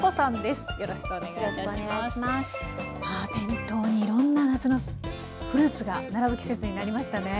店頭にいろんな夏のフルーツが並ぶ季節になりましたね。